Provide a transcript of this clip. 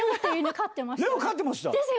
レオ飼ってました。